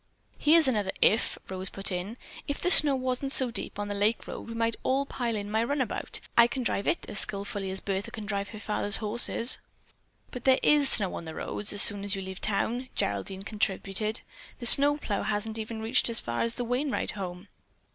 "Here's another if," Rose put in. "If the snow wasn't so deep on the Lake Road, we might all pile in my runabout. I can drive it as skillfully as Bertha can drive her father's horses." "But there is snow on the roads as soon as you leave town," Geraldine contributed. "The snow plough hasn't even reached as far as the Wainright home."